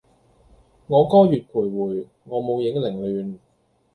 我歌月徘徊，我舞影零亂